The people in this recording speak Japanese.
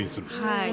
はい。